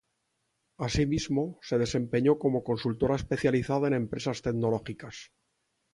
Asimismo, se desempeñó como consultora especializada en empresas tecnológicas.